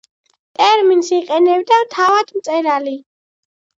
ტერმინს იყენებდა თავად მწერალი.